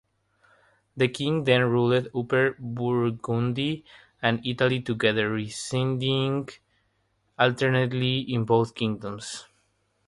The king then ruled Upper Burgundy and Italy together, residing alternately in both kingdoms.